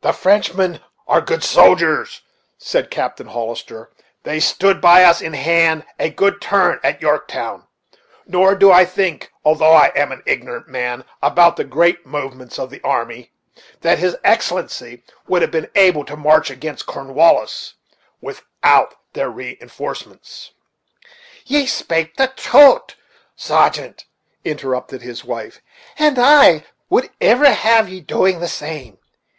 "The French are good soldiers," said Captain Hollis ter; "they stood us in hand a good turn at Yorktown; nor do I think, although I am an ignorant man about the great movements of the army, that his excellency would have been able to march against Cornwallis without their reinforcements." "Ye spake the trot', sargeant," interrupted his wife, "and I would iver have ye be doing the same.